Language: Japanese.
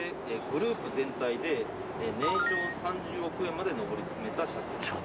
グループ全体で年商３０億円まで上り詰めた社長。